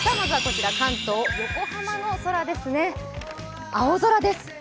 関東、横浜の空です、青空です。